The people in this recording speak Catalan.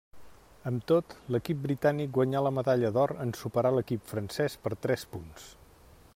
Amb tot, l'equip britànic guanyà la medalla d'or en superar l'equip francès per tres punts.